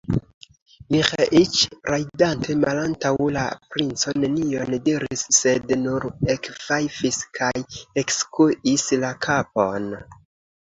Miĥeiĉ, rajdante malantaŭ la princo, nenion diris, sed nur ekfajfis kaj ekskuis la kapon.